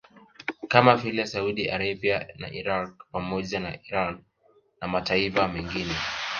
Kama vile Saudi Arabia na Iraq pamoja na Irani na mataifa mengine